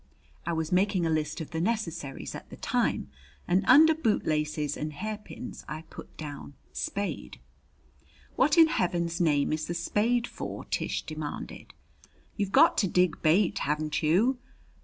I was making a list of the necessaries at the time and under bootlaces and hairpins I put down "spade." "What in Heaven's name is the spade for?" Tish demanded. "You've got to dig bait, haven't you?"